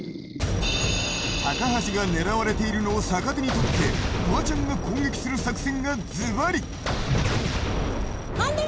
高橋が狙われているのを逆手にとって、フワちゃんが攻撃する作戦がズバリ。